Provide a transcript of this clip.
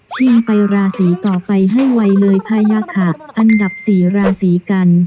ยิ่งไปราศีต่อไปให้ไวเลยพายาขะอันดับ๔ราศีกัน